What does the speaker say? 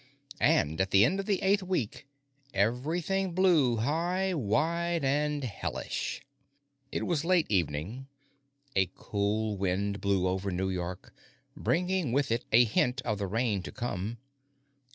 And, at the end of the eighth week, everything blew high, wide, and hellish. It was late evening. A cool wind blew over New York, bringing with it a hint of the rain to come.